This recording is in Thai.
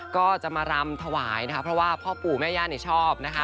ก็จะมารำถวายนะคะเพราะว่าพ่อปู่แม่ย่าเนี่ยชอบนะคะ